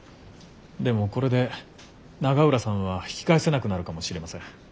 でもこれで永浦さんは引き返せなくなるかもしれません。